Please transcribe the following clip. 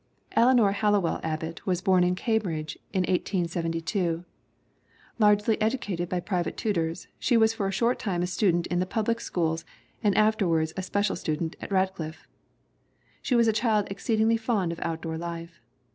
Eleanor Hallowell Abbott was born in Cambridge in 1873. Largely educated by private tutors, she was for a short time a student in the public schools and afterward a special student at Radcliffe. She was a child exceedingly fond of outdoor life.